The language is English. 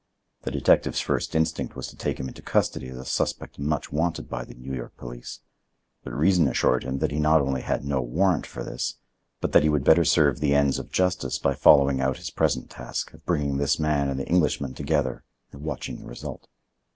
The detective's first instinct was to take him into custody as a suspect much wanted by the New York police; but reason assured him that he not only had no warrant for this, but that he would better serve the ends of justice by following out his present task of bringing this man and the Englishman together and watching the result.